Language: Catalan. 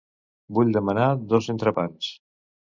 Vull demanar dos entrepans.